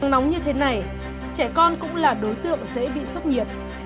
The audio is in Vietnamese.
nắng nóng như thế này trẻ con cũng là đối tượng dễ bị sốc nhiệt